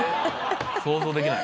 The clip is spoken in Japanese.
想像できない。